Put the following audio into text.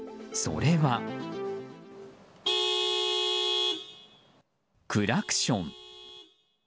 それは、クラクション。